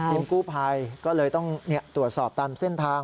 กู้ภัยก็เลยต้องตรวจสอบตามเส้นทาง